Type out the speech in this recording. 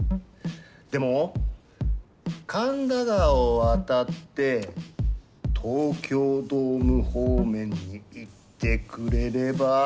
でも神田川を渡って東京ドーム方面に行ってくれれば。